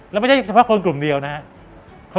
แล้วไม่ใช่เฉพาะคนกลุ่มเดียวนะครับ